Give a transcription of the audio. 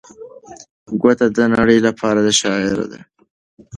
ګوته د نړۍ لپاره شاعر دی.